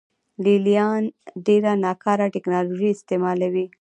لې لیان ډېره ناکاره ټکنالوژي استعملوي